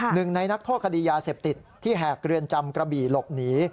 หนึ่งในนักโทษคดียาเสพติดที่แหกเรือนจำกระบี่หลบหนี